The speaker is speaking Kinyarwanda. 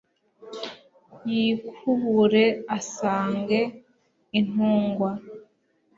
yikubure Asange intungwa